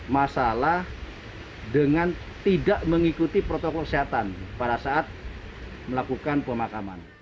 masalah dengan tidak mengikuti protokol kesehatan pada saat melakukan pemakaman